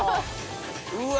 うわ！